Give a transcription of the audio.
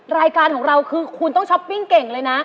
รายการของเราคือคุณต้องช้อปปิ้งเก่งเลยนะ